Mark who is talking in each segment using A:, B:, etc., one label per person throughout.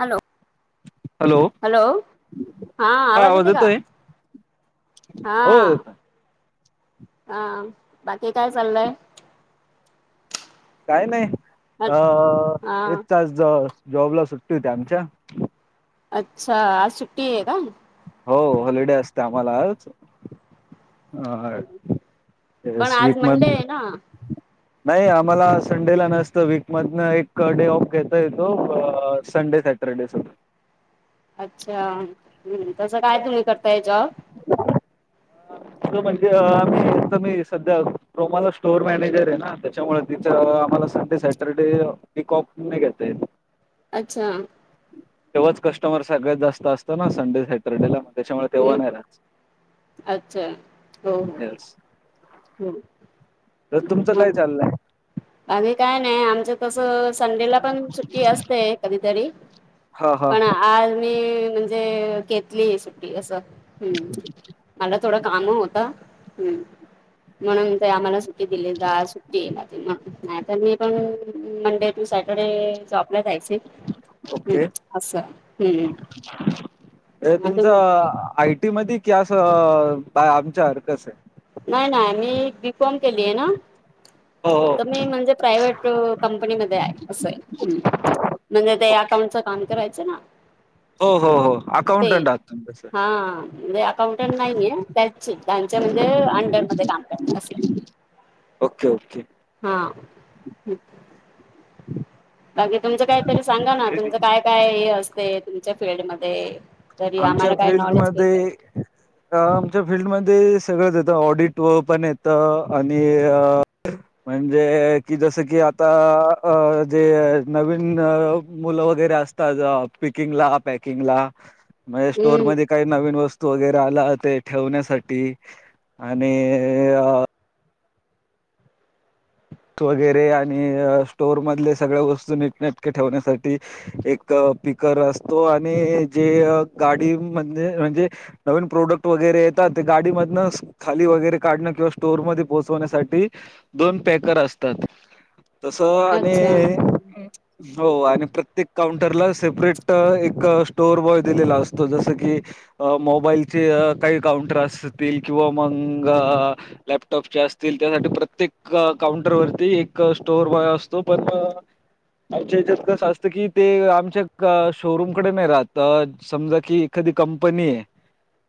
A: Hello!
B: Hello! हा. आवाज येतोय.
A: हा
B: होे. येतय.
A: हा. बाकी काय? चाललंय.
B: काय? नाही. अ.
A: हा
B: एक तास आज जॉबला सुट्टी होती आमच्या [inaudible]
A: अच्छा! ! आज सुट्टी आहे का?
B: हो. हॉलिडे असते. आम्हाला आज. हा.
A: पण आज
B: [inaudible] मा
A: मंडे आहे ना
B: [unintelligible] नाही. आम्हाला संडेला नसतं. वीक मधन एक डे ऑफ घेता येतो. संडेसाठी. [unintelligible] सर.
A: अच्छा! ! हमं तसं काय? तुम्ही करताय? याच्यावर.
B: [unintelligible] म्हणजे मी तर मी सध्या क्रोमाला स्टोर मॅनेजर आहे ना त्याच्यामुळे तिथं [inaudible] आम्हाला Sunday Saturday week off नाही घेता येत.
A: अच्छा! !
B: तेव्हाच कस्टमर सगळ्यात जास्त असतं ना, संडे, सॅटर डे ला त्याच्यामुळे तेव्हा
A: हम्
B: नाही राहतं.
A: अच्छा! हो. हो.
B: येस
A: हो..
B: तर, तुमचं काय? चाललंय.
A: आम्ही काय? नाही आमच तस संडेला पण, सुट्टी असते कधीतरी?
B: हा. हा.
A: पण आज मी, म्हणजे घेतली सुट्टी असं हम्म. मला थोडं काम ही होतं. हम्म. म्हणून ते आम्हाला सुट्टी दिली आज सुट्टी आहे माझी. ना, नाही तर मी पण मुंबईत. णि सॅटरडे जॉब ला जायचं हंम
B: ओके
A: असा. हम्म.
B: तुमचं आयटी मध्ये की, असं आमच्या सारखा आहे.
A: नाही. ना मी बीकॉम केली आहेना.
B: हो
A: तर मी म्हणजे [unintelligible] प्रायव्हेट कंपनी मध्ये आहे असं आहे. म्हणजे? ते
B: हो
A: अकाउंटचं काम करायचं ना.
B: हो. हो. हो.
A: ते
B: अकाउंटन्ट आहात तुम्ही तसं.
A: हा म्हणजे? अकाउंटंट नाहीये. त्याची त्यांच्या म्हणजे? अंडरमध्ये काम करत असं.
B: [inaudible] ओके. ओके.
A: हा. [unintelligible] बाकी तुमचं काहीतरी सांगा? ना तुमचं काय? काय? हे असते तुमच्या फिल्ड मध्ये.
B: आमच्या [inaudible] फिल्डमध्ये. आमच्या फील्डमध्ये सगळंच येतं. ऑडिट व पण येतं आणि.. म्हणजे जसं की आता. जे अ. नवीन मुलं वगैरे असतं त्याच्या पिकिंग ला, पॅकिंग ला.
A: [inaudible]
B: मग, हे स्टोर
A: हम्म
B: मध्ये. काही नवीन वस्तू वगैरे आला ते ठेवण्यासाठी आणि य वस्तू वगैरे आणि स्टोर मधले सगळ्या, वस्तू नीट नेटके ठेवण्यासाठी. एक स्पीकर असतो. आणि जे गाडी म्हणजे? म्हणजे? नवीन प्रोडक्ट वगैरे येतात. ते गाडी मधनच. खाली वगैरे काढण किंवा स्टोअरमध्ये पोहोचवण्यासाठी दोन पॅक कर असतात तस आणि
A: हम [unintelligible]
B: हो आणि प्रत्येक काउंटरला सेपरेट एक स्टोअर बॉय दिलेला असतो जसं की अ मोबाईलचे काही काऊंनटर असतील किंवा मग लॅपटॉपचे असतील त्यासाठी प्रत्येक काउंटर वरती एक, स्टोअर बॉय असतो पण. आमच्या ह्याच्यात कसं असतं की ते आमच्या क शोरूम कडे नाही राहत अ समजा की एखादी कंपनी हे.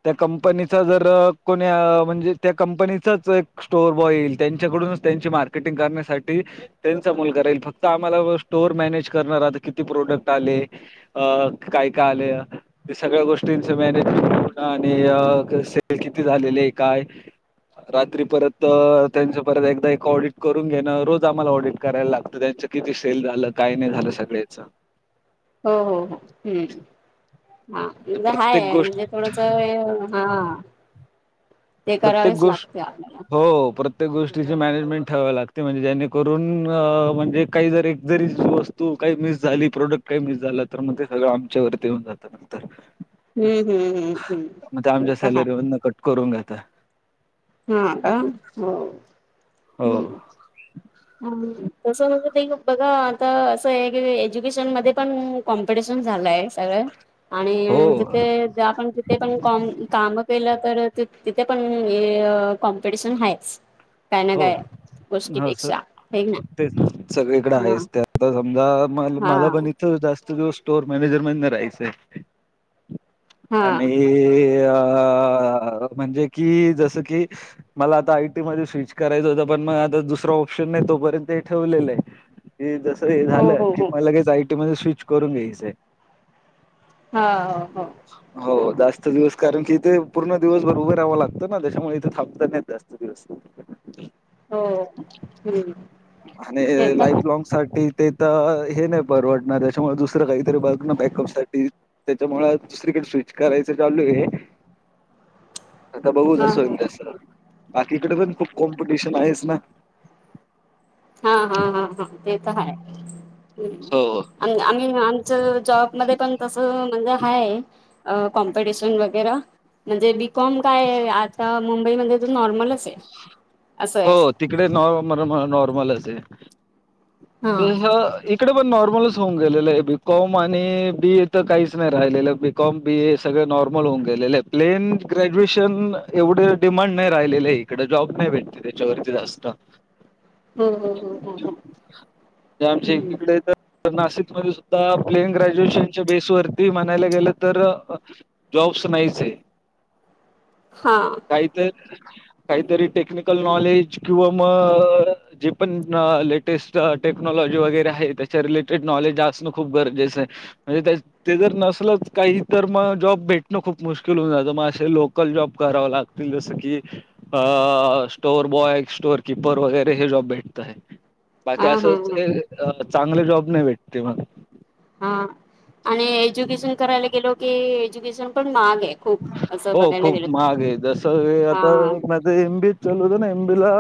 B: त्या कंपनीचा जर कोणी म्हणजे त्या कंपनीचाच एक स्टोअर बॉय येईल त्यांच्याकडूनच त्यांची मार्केटिंग करण्यासाठी त्यांचा मुलगा राईल फक्त, आम्हाला स्टोअर मॅनेज करण राहत किती प्रोडक्ट आले. अं.. काय काय आलं. ते सगळ्या गोष्टींच मॅनेजमेंट ठेवणं आणि सेल किती झालेले आहे काय रात्री परत त्यांच्या परत एकदा एक ऑडिट करून घेणं रोज आम्हाला ऑडिट करायला लागतं, त्यांचं किती सेल झालं काय नाही झालं सगळे हेच.
A: हो हो हो ह् ह हाय
B: प्रत्येक
A: आहे
B: गोष्ट
A: म्हणजे थोडं चवे [unintelligible] हा. ते
B: प्रत्येक
A: करावेच
B: गोष्ट
A: लागते आपल्याला
B: हो प्रत्येक गोष्टीचे मॅनेजमेंट ठेवावे लागते म्हणजे जेणेकरून म्हणजे काही जरी एक जरी वस्तू तू काही मिस झाली प्रोडक्ट काही मिस झाला तर मग ते सगळं आमच्यावरती येऊन जातं. नंतर
A: हम्म हम्म हम्म हम्म ते तर [unintelligible] ह
B: करू घाता
A: हा का हो.
B: हो.
A: ह [unintelligible] ह तस म्हणजे ते बघा आता असं आहे की एज्युकेशन मध्ये पण कॉम्पिटिशन झालंय सगळं
B: हो
A: आणि जिथे ज्या पण ते पण काम काम केलं तर तिथे पण कॉम्पिटिशन आहेच.
B: हो हो सर.
A: हे ना
B: तेच सगळीकडे आहेच ते आता समजा म
A: हा
B: मला
A: हा
B: पण ईथ त जास्त दिवस स्टोर मॅनेजर म्हणे राहायचंय
A: हा
B: आणि हे अ म्हणजे की जस की मला आता आयटी मध्ये स्विच करायचं होत पण मग आता दुसरा ऑप्शन नाही तोपर्यंत हे ठेवलेल आहे. कि जस हे
A: हो
B: झालं
A: हो
B: की
A: हो
B: मग लगेच आयटी मध्ये स्विच करून घ्यायचंय.
A: हा हहो.
B: हो जास्त दिवस कारण की इथे पूर्ण दिवसभर उभं राहावं लागतं ना त्याच्यामुळे इथे थांबत नाहीत जास्त दिवस.
A: [inaudible] हो हम्म
B: आणि
A: ते तर हाय
B: लाईफ लॉंग साठी ते तर हे नाही परवडणार, त्याच्यामुळे दुसरं काहीतरी बघना बॅकअप साठी. त्याच्या मुळे दुसरीकडे स्विच करायचं चालू आहे.
A: [unintelligible]
B: आता बघूच
A: हा
B: जस
A: हा
B: होईल तसं, बाकीकडे पण खूप कॉम्पिटिशन आहेच ना.
A: हा हा हा हा ते तर
B: हो
A: हाय आम्ही [unintelligible] च जॉब मध्ये पण तस म्हणजे हाय कॉम्पिटिशन वगैरा म्हणजे बीकॉम काय आता मुंबईमध्ये तर नॉर्मलच आहे असं आहे
B: हो तिकडे नॉर् नॉर्मलच आहे [unintelligible]
A: हा
B: ते ह एक इकडे पण नॉर्मलच होऊन गेलेलं आहे बीकॉम आणि बीए तर काहीच नाही राहिलेलं बी बीकॉम बीए सगळे नॉर्मल होऊन गेलेले आहे प्लेन ग्रॅज्युएशन एवढे डिमांड नाही राहिलेले. तिकडे जॉब नाही भेटते, त्याच्यावरती जास्त.
A: हो हो हो, हो हो.
B: ते आमच्या
A: हम्म
B: इकडे तर. तर नाशिकमध्ये सुद्धा प्लेन ग्रॅज्युएशनच्या बेसवरती म्हणायला गेलं तर अ जॉब्स त नाहीच ए.
A: हा.
B: ते. काहीतरी टेक्निकल नॉलेज किंवा म जे पण लेटेस्ट. टेक्नॉलॉजी वगैरे हाए त्याच्या रिलेटेड नॉलेज असणं खूप गरजेचं ए म्हणजे त्याच ते जर नसलच काही तर मग जॉब भेटणं खूप मुश्किल होऊन जातं, मग असे लोकल जॉब करावं लाग जस की अ स्टोर बॉय स्टोर किपर वगैरे हे जॉब भेटताहेत. बाकी
A: हा हा
B: असंच
A: हा
B: ए, अ चांगले जॉब नाही भेटते मग.
A: हा आणि एज्युकेशन करायला गेलो की, एज्युकेशन पण महागए.
B: हो खूप महाग आहे, जसं
A: हा
B: आता मत एम बीचालू होत ना एम बी ला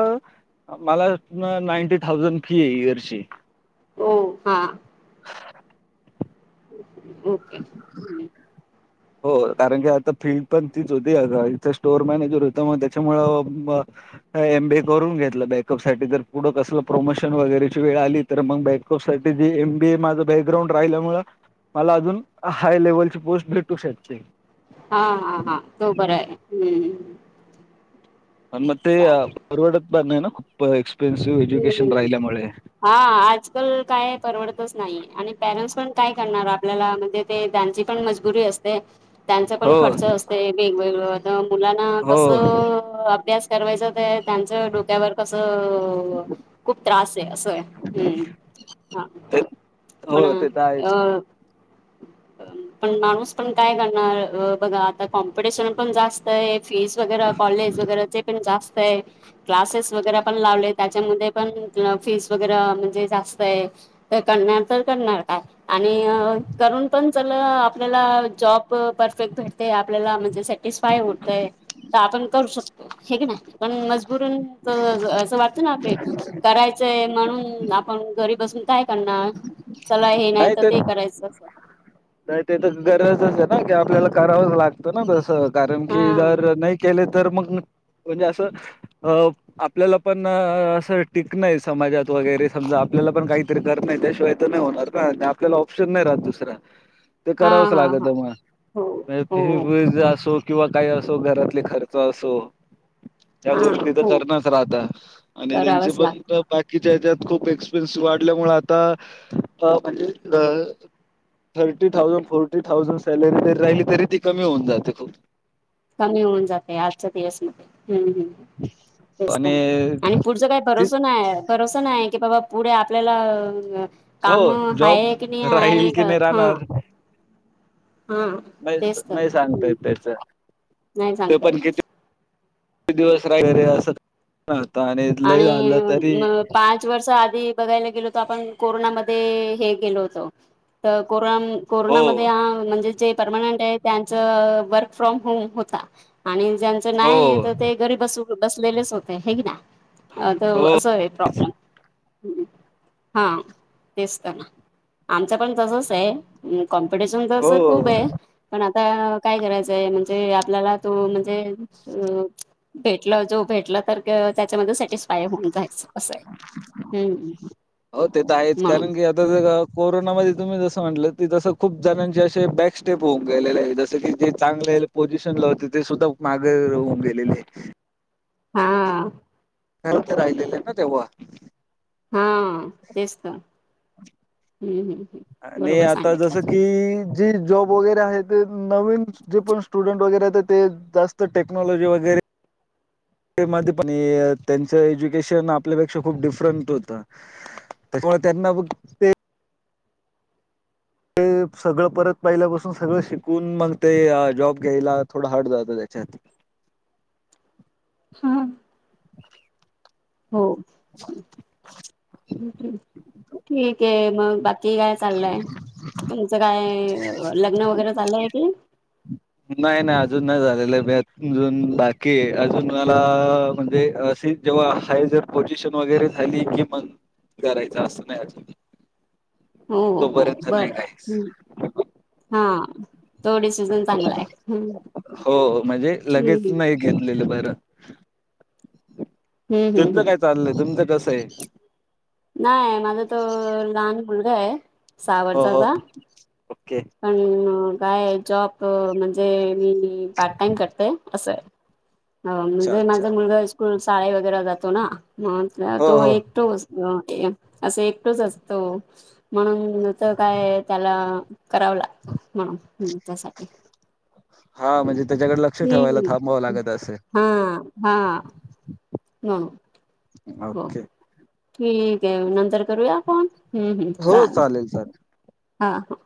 B: मला नाईंटी थाउजंड फी ए इयरची.
A: ओ हा. ओके.
B: हो कारण की आता फील्ड पण तीच होती, अगं इथे स्टोअर मॅनेजर होतो म त्याच्यामुळ म अ एमबीए करून घेतलं बॅकअप साठी जर पुढं कसलं प्रमोशन वगैरेची वेळ आली. तर मग बॅकप साठी जे एम बी ए माझं बॅकग्राउंड राहिल्यामुळ. मला अजून हाय लेव्हलची पोस्ट भेटू शकते.
A: हा हा हा, हो बरए हम्म.
B: अ म ते
A: चालेल
B: परवडत पण नाय ना, खूप एक्सपेन्सिव्ह
A: हम्म
B: एज्युकेशन
A: हम्म.
B: राहिल्यामुळे.
A: हा आजकाल काय परवडतच नाहीे आणि पॅरेंट्स पण काय करणार आपल्याला म्हणजे ते त्यांची पण मजबुरी असते. त्यांचा
B: हो
A: पण खर्च असते, वेगवेगळ न मुलांना
B: हो
A: कसं अभ्यास करवायच ते त्यांचं डोक्यावर कसं खूप त्रास आहे अस आहे, हम्म हा.
B: ते
A: पण
B: हो ते तर आहेच
A: अ पण माणूस पण काय करणार बघा आता कॉम्पिटिशन पण जास अय फीस वगैर कॉलेज वगैरेचे पण जास्त आहे क्लासेस वगैरे पण लावलेत. त्याच्यामध्ये पण फीस वगैरे म्हणजे जास्त आहे, तर करणार तर करणार काय? आणि करून पण चल आपल्याला जॉब परफेक्ट भेटते, आपल्याला म्हणजे सेक हे स्पायय होतय, तर आपण करू शकतो हे ना पण मजबूरीन असं वाट तर राहते, करायचंय म्हणून आपण घरी बसून काय करणार? चला हे नाही तर ते करायचं.
B: नाही ते तर गरजच आहे ना की आपल्याला करावंच लागतं ना, तसं कारण की
A: हा
B: जर नाही केले तर मग, म्हणजे असं अ आपल्याला पण असं टिकण समाजात वगैरे समजा आपल्याला पण काहीतरी कर नाही त्याशिवाय तर नाही होणार. आपल्याला ऑप्शन नाही राहत दुसरा. ते
A: हा
B: करावंच
A: हा हा
B: लागत मग
A: हो
B: म्हे
A: हो
B: ते
A: हो
B: भुईज असो. किंवा काही असो घरातले खर्च असो. त्या
A: हा
B: गोष्टी तर
A: हो
B: करणच राहता आणि त्यांची
A: करावंच
B: पण
A: लागत
B: जर बॅक. कि ज्याच्यात खूप एक्सपेन्सेस वाढल्यामुळे आता, आता म्हणजे अ. Thirty thousand, forty thousand salary जरी राहिली तरी ती कमी होऊन जाते खूप.
A: कमी होऊन जाते, आजच्या दिवसमध्ये हम्म हम्म. तेच तर
B: आणि
A: आणि, पुढचं काय
B: ती
A: भरोसा नाही भरोसा. असं नाही की बाबा पुढे, आपल्याला
B: हो
A: काम
B: जॉब
A: आहे की नाही आहे
B: राहील की नाही
A: हां.
B: राहणार नाही
A: तेच तर
B: नाही
A: हम्म
B: सांगतयेत त्याचं,
A: नाही
B: ते
A: सांगता येत
B: पण किती. किती दिवस राहील असं असत, आणि इथलं लै झालं तरी.
A: आणि पाच वर्ष आधी बघायला गेलो त आपण कोरोनामध्ये हे गेलो होतो, तर कोरोना
B: हो
A: कोरोनामध्ये आ म्हणजे जे परमनंट आहे त्यांच वर्क फ्रॉम होम होता आणि ज्यांच
B: हो
A: नाही तर ते घरी बस बसलेलेच होते हे की ना त
B: हो
A: असं आहे प्रॉब्लेम. हा तेच तर, ना आमचं पण तसंच आहे. कॉम्पिटिशन तर
B: हो
A: असं खूप आहे. पण आता काय करायचंय म्हणजे, आपल्याला तो म्हणजे अं.. भेटला जो भेटला तर त्याच्यामध्ये, सॅटिस्फाय होऊन जायचं. असं आहे, हम्म म्हणून.
B: आता जसं की कोरोनामध्ये तुम्ही जसं म्हटलं की, तसं खूप जणांचे असे बॅकस्टेप होऊन गेलेले आहे जसं की. जे चांगले पोजिशन ला होते ते, सुद्धा माघे होऊन गेलेले आहेत.
A: हा.
B: खर्च राहिलेलं आहे ना तेव्हा.
A: हा, तेच तर हम्म हम्म.
B: नाही.
A: बरोबर
B: आता
A: सांगितलं
B: जसं की..
A: तुम्ही
B: जे जॉब वगैरे आहे ते नवीन जे, पण स्टुडंट वगैरे आहे ते जास्त टेक्नॉलॉजी वगैरे. [unintelligible] पण त्यांचं एज्युकेशन आपल्यापेक्षा खूप डिफरंट होतं. त्याचामुळे त्यांना मग ते. ते सगळं परत पाहिल्यापासून सगळं शिकून, मग ते जॉब घ्यायला थोडं हार्ड जातं त्याच्यात.
A: हा. हो. ठीक आहे, मग बाकी. कि काय चाललंय तुमचं, काय लग्नं वगैरे चाललंय कि नाय.
B: नाही नाही अजून नाही झालेलं, अजून बाकी अजून मला म्हणजे अशी. जेव्हा हाय जर पोजिशन वगैरे झाली, कि मग करायच असं नाही अजून.
A: हो. हो.
B: तोपर्यंत नाही काहीच.
A: बरं. हा. थोडीशी.
B: [inaudible] हो म्हणजे? लगेच
A: ठीक
B: नाही घेतलेलं बरं.
A: हम्म हम्म
B: तुमचं
A: हम्म
B: काय चाललंय, तुमचं कसं आहे.
A: नाय माझा तर लहान मुलगा आहे, सहा
B: हो हो
A: वर्षाचा.
B: ओके
A: पण काय जॉब म्हणजे? मी पार्ट टाइम करते असं. हो
B: अच्छा
A: म्हणजे
B: अच्छा
A: माझा मुलगा स्कूल, शाळे वगैरे जातो ना. मग,
B: हो
A: तो
B: हो.
A: एकटो असतो असं एकटोच असतो, म्हणून तर काय त्याला. करावं लागतं, म्हणून त्यासाठी.
B: हा. म्हणजे त्याच्याकडे लक्ष ठेवायला
A: ठीक
B: थांबावं लागत असेल.
A: हा. हा.. हो.
B: ओके.
A: ठीक आहे नंतर करूया‌ का, फोन हम् हम् चालेल.
B: हिल सात.
A: हा. हा.